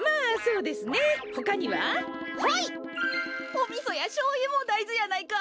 おみそやしょうゆもだいずやないか？